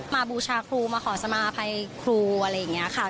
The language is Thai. บูชาครูมาขอสมาภัยครูอะไรอย่างนี้ค่ะ